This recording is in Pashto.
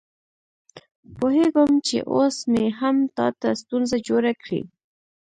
پوهېږم چې اوس مې هم تا ته ستونزه جوړه کړې.